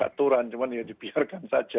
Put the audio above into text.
aturan cuman ya dibiarkan saja